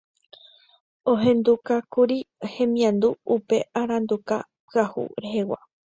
ohendukákuri hemiandu upe aranduka pyahu rehegua